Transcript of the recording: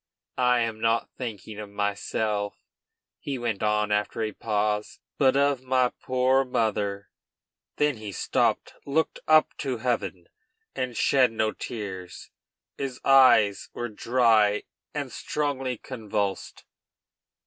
I am not thinking of myself," he went on after a pause, "but of my poor mother." Then he stopped, looked up to heaven, and shed no tears; his eyes were dry and strongly convulsed.